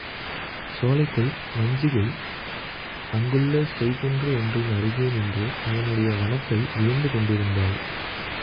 சோலைக்குள் மஞ்சிகை அங்குள்ள செய்குன்று ஒன்றின் அருகே நின்று அதனுடைய வனப்பை வியந்து கொண்டிருந்தாள்.